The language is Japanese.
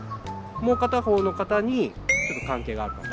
もう片方の方にちょっと関係がある方。